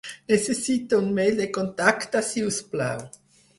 Necessito un mail de contacte, si us plau.